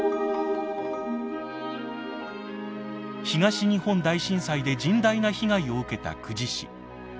東日本大震災で甚大な被害を受けた久慈市。